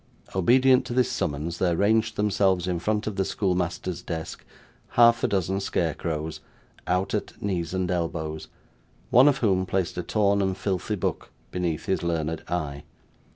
Obedient to this summons there ranged themselves in front of the schoolmaster's desk, half a dozen scarecrows, out at knees and elbows, one of whom placed a torn and filthy book beneath his learned eye.